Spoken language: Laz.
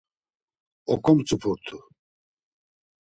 Oǩomtzupurt̆u.